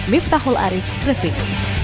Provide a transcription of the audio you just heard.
miftahul arif resik